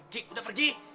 gi udah pergi